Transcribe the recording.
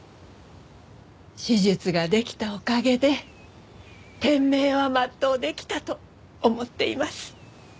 手術ができたおかげで天命は全うできたと思っています。